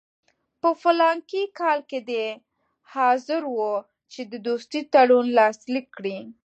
په فلاني کال کې دې ته حاضر وو چې د دوستۍ تړون لاسلیک کړي.